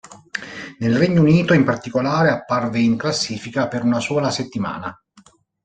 Nel Regno Unito, in particolare, apparve in classifica per una sola settimana.